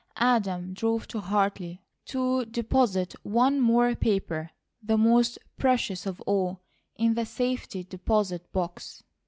Adam drove to Hartley to deposit one more paper, the most precious of all, in the safety deposit box.